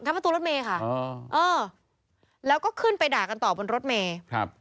งัดประตูรถเมล์ค่ะแล้วก็ขึ้นไปด่ากันต่อบนรถเมล์